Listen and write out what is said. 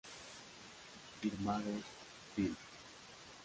Firmados Phil.